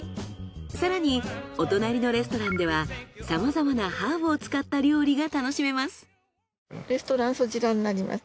更にお隣のレストランではさまざまなハーブを使った料理が楽しめます。